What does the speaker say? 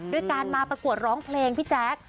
ด้วยการมาประกวดร้องเพลงพี่แจ๊ค